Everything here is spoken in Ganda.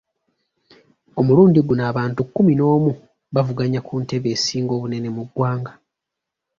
Omulundi guno abantu kkumi n'omu bavuganya ku ntebe esinga obunene mu ggwanga.